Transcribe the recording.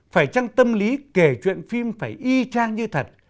phải trang tâm lý kể chuyện phim phải y chang như thật